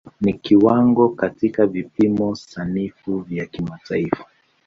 Ni kiwango katika vipimo sanifu vya kimataifa.